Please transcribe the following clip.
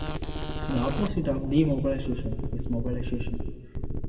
The opposite of demobilization is mobilization.